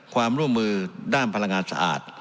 ความร่วมมือด้านพลังงานสะอาด